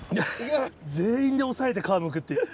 全員で押さえて皮むくって。